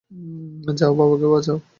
যাও, তোমার বাবাকে বাঁচাও!